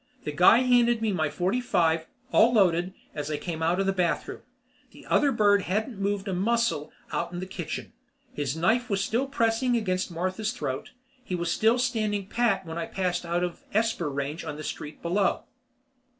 The guy handed me my forty five, all loaded, as I came out of the bathroom. The other bird hadn't moved a muscle out in the kitchen. His knife was still pressing against Martha's throat. He was still standing pat when I passed out of esper range on the street below.